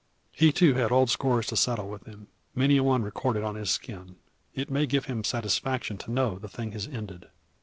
"He too had old scores to settle with him many a one recorded upon his skin. It may give him satisfaction to know how the thing has ended."